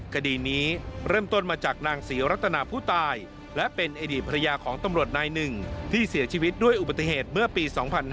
คดีนี้เริ่มต้นมาจากนางศรีรัตนาผู้ตายและเป็นอดีตภรรยาของตำรวจนายหนึ่งที่เสียชีวิตด้วยอุบัติเหตุเมื่อปี๒๕๕๙